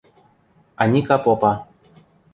– Аника попа.